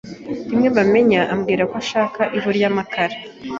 rimwe bamena. Ambwirako ashaka ivu ry’amakara